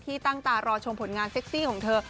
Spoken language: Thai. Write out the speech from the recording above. ตั้งตารอชมผลงานเซ็กซี่ของเธอ